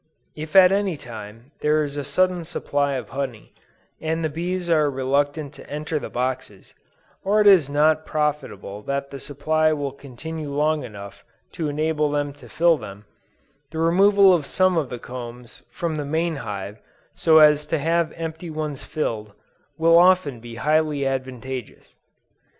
If at any time there is a sudden supply of honey, and the bees are reluctant to enter the boxes, or it is not probable that the supply will continue long enough to enable them to fill them, the removal of some of the combs from the main hive so as to have empty ones filled, will often be highly advantageous.